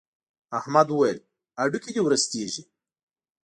احمد وويل: هډوکي دې ورستېږي.